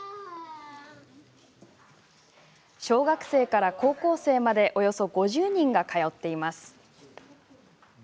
小学生から高校生までおよそ５０人が通っています。